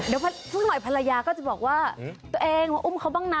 เดี๋ยวสักหน่อยภรรยาก็จะบอกว่าตัวเองมาอุ้มเขาบ้างนะ